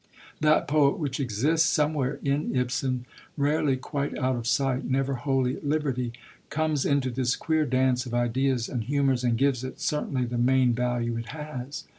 That poet which exists somewhere in Ibsen, rarely quite out of sight, never wholly at liberty, comes into this queer dance of ideas and humours, and gives it, certainly, the main value it has.